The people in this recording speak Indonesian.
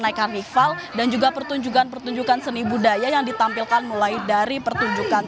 naik karnival dan juga pertunjukan pertunjukan seni budaya yang ditampilkan mulai dari pertunjukan